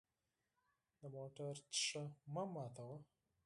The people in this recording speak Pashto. د موټر شیشه مه ماتوه.